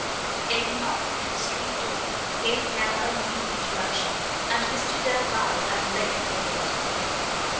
A knock at the street door gave now a new interruption, and Mr Delvile at length appeared.